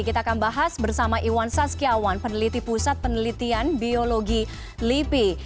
kita akan bahas bersama iwan saskiawan peneliti pusat penelitian biologi lipi